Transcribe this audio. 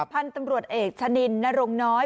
พันธุ์ตำรวจเอกชะนินนรงน้อย